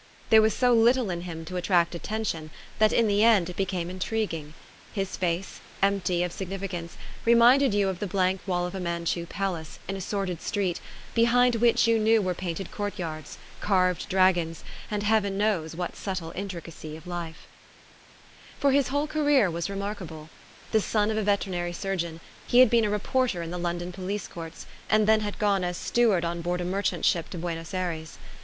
There was so little in him to attract attention that in the end it became intriguing: his face, empty of significance, reminded you of the blank wall of a Manchu palace, in a sordid street, be hind which you knew were painted courtyards, carved dragons, and heaven knows what subtle intricacy of life. 19 ON A CHINESE SCREEN For his whole career was remarkable. The son of a veterinary surgeon, he had been a reporter in the London police courts and then had gone as steward on board a merchant ship to Buenos Ayres.